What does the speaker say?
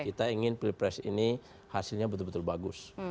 kita ingin pilpres ini hasilnya betul betul bagus